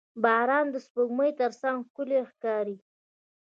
• باران د سپوږمۍ تر څنګ ښکلی ښکاري.